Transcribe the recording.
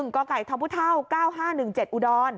๑กธ๙๕๑๗อุดร